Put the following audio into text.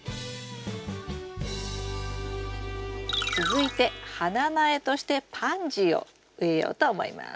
続いて花苗としてパンジーを植えようと思います。